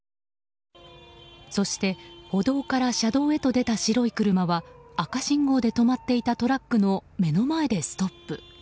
そして歩道から車道へと出た白い車は赤信号で止まっていたトラックの目の前でストップ。